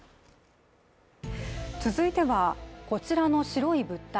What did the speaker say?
続いては、こちらの白い物体。